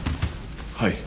はい。